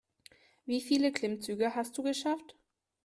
Wie viele Klimmzüge hast du geschafft?